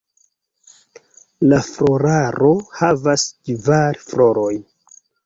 La floraro havas kvar florojn.